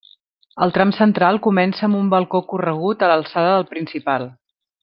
El tram central comença amb un balcó corregut a l'alçada del principal.